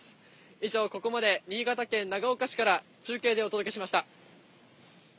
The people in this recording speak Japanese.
以上、ここまで新潟県長岡市から中継でお届けしました。